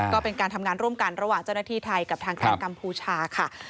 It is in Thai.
ก็เป็นการทำงานร่วมกันระหว่างเจ้าหน้าที่ไทยกับทางการกัมพูชาค่ะ